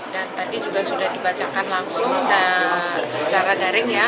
dan tadi juga sudah dibacakan langsung secara daring ya